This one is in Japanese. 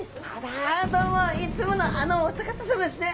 どうもいつものあのお二方さまですね。